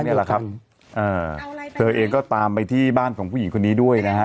นี่แหละครับเธอเองก็ตามไปที่บ้านของผู้หญิงคนนี้ด้วยนะฮะ